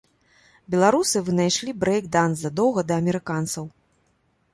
Беларусы вынайшлі брэйк-данс задоўга да амерыканцаў.